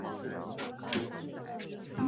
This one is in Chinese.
同时由萧子良与萧鸾辅政。